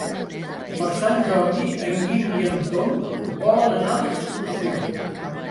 Per Sant Jordi en Guim i en Tom volen anar d'excursió.